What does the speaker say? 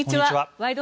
「ワイド！